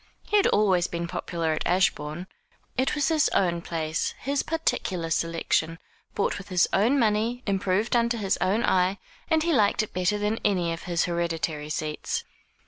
He had always been popular at Ashbourne. It was his own place, his particular selection, bought with his own money, improved under his own eye, and he liked it better than any of his hereditary seats.